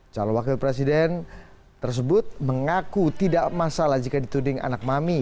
calon wakil presiden tersebut mengaku tidak masalah jika dituding anak mami